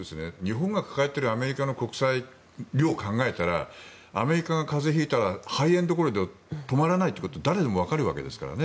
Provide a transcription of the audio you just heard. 日本が抱えているアメリカの国債量を考えたらアメリカが風邪を引いたら肺炎どころでは止まらないことが誰でもわかるわけですからね。